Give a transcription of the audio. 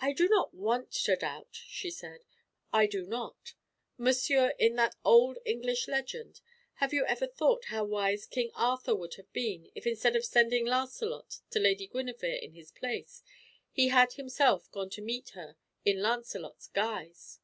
"I do not want to doubt," she said. "I do not. Monsieur, in that old English legend have you ever thought how wise King Arthur would have been, if instead of sending Lancelot to Lady Guinevere in his place, he had himself gone to meet her in Lancelot's guise?"